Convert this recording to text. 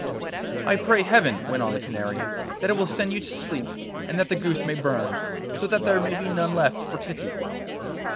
'I pray Heaven,' went on the Canary, 'that it will send you to sleep, and that the goose may burn, so that there may be none left for Titty.